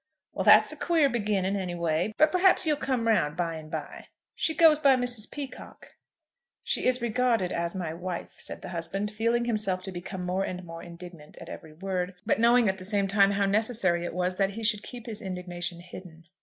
"Well, that's a queer beginning, anyway. But perhaps you'll come round by and by. She goes by Mrs. Peacocke?" "She is regarded as my wife," said the husband, feeling himself to become more and more indignant at every word, but knowing at the same time how necessary it was that he should keep his indignation hidden.